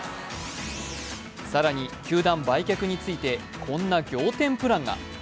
更に、球団売却についてこんな仰天プランが。